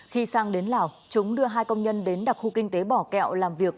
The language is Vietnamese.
khi sang đến lào chúng đưa hai công nhân đến đặc khu kinh tế bỏ kẹo làm việc